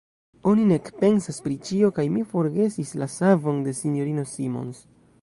Oni ne ekpensas pri ĉio, kaj mi forgesis la savon de S-ino Simons.